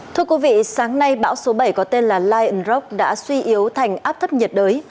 thưa quý vị sáng nay bão số bảy có tên là lionrok đã suy yếu thành áp thấp nhiệt đới